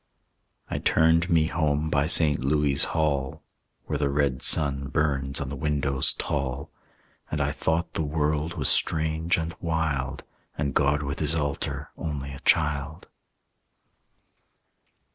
I turned me home by St. Louis' Hall, Where the red sun burns on the windows tall. And I thought the world was strange and wild, And God with his altar only a child.